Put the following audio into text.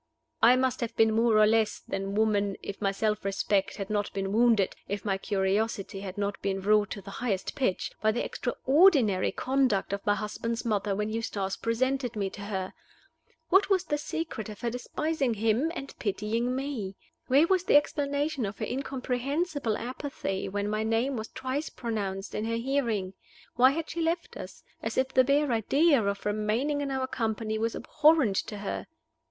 I must have been more or less than woman if my self respect had not been wounded, if my curiosity had not been wrought to the highest pitch, by the extraordinary conduct of my husband's mother when Eustace presented me to her. What was the secret of her despising him, and pitying me? Where was the explanation of her incomprehensible apathy when my name was twice pronounced in her hearing? Why had she left us, as if the bare idea of remaining in our company was abhorrent to her?